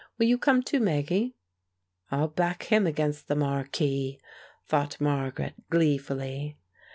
"Will you come too, Maggie?" "I'll back him against the marquis," thought Margaret, gleefully.